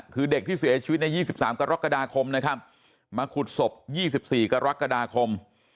คือเด็กที่เสียชีวิตใน๒๓กรกฎาคมนะครับมาขุดศพ๒๔กรกฎาคม